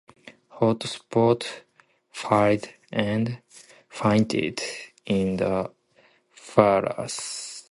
Hot Shot failed and fainted in the fires.